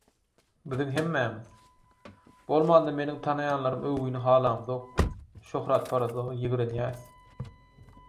Biziň hemmämiz, bolmanda meniň tanaýanlarym öwgüni halamyzok, şöhratparazlygy ýigrenýäris.